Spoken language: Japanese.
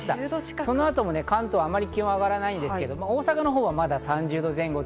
この後も関東はあまり気温が上がらないんですけど、大阪まだ３０度前後。